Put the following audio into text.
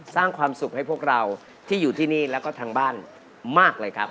สร้างความสุขให้พวกเราที่อยู่ที่นี่แล้วก็ทางบ้านมากเลยครับ